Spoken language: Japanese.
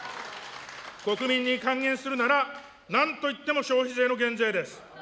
国民に還元するなら、なんといっても消費税の減税です。